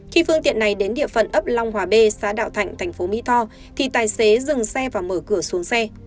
khi phương tiện này đến địa phận ấp long hòa b xã đạo thạnh thành phố mỹ tho thì tài xế dừng xe và mở cửa xuống xe